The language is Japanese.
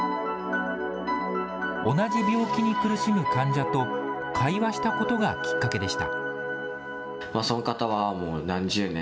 同じ病気に苦しむ患者と会話したことがきっかけでした。